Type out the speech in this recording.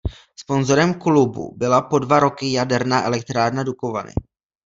Sponzorem klubu byla po dva roky Jaderná elektrárna Dukovany.